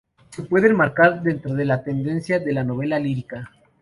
Se puede enmarcar dentro de la tendencia de la novela lírica.